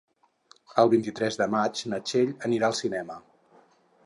El vint-i-tres de maig na Txell anirà al cinema.